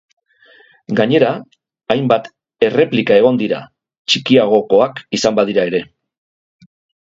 Gainera, hainbat erreplika egon dira, txikiagokoak izan badira ere.